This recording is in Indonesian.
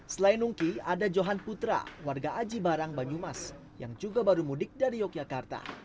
selain nungki ada johan putra warga aji barang banyumas yang juga baru mudik dari yogyakarta